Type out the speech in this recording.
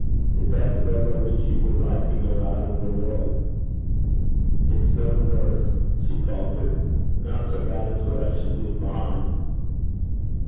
Is that the door by which you would like to go out of the world?' 'It's no worse,' she faltered, ' not so bad as what I should leave behind.'